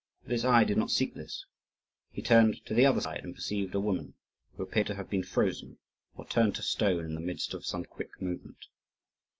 But his eye did not seek this. He turned to the other side and perceived a woman, who appeared to have been frozen or turned to stone in the midst of some quick movement.